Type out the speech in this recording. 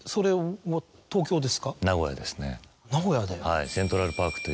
はい。